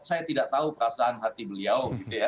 saya tidak tahu perasaan hati beliau